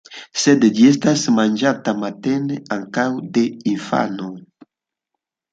Sed ĝi estas manĝata matene ankaŭ de infanoj.